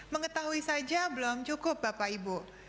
mengetahui saja belum cukup bapak ibu